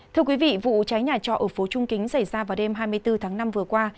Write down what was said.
thưa quý vị vụ cháy nhà trọ ở phố trung kính xảy ra vào đêm hai mươi bốn tháng năm vừa qua